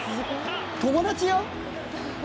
友達だよ？